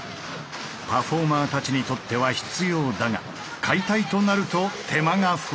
パフォーマーたちにとっては必要だが解体となると手間が増える。